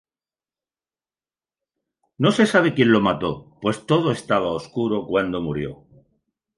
No se sabe quien lo mató pues todo estaba oscuro cuando murió.